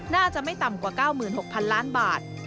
น่าจะไม่ต่ำกว่า๙๖๐๐๐ล้านบาท